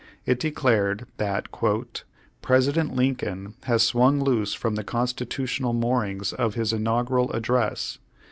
It declared that "President Lincoln has swung loose from the constitutional moorings of his inaugural address.